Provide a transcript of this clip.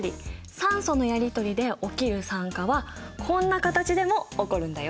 酸素のやりとりで起きる酸化はこんな形でも起こるんだよ。